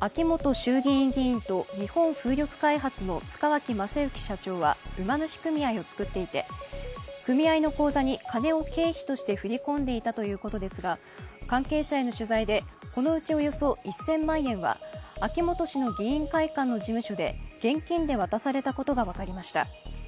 秋本衆議院議員と日本風力開発の塚脇正幸社長は馬主組合を作っていて組合の口座に経費として振り込んでいたということですが関係者への取材でこのうちおよそ１０００万円は秋本氏の議員会館の事務所で現金で渡されたことが分かりました。